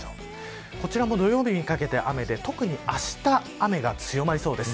こちらも土曜日にかけて雨で特にあした雨が強まりそうです。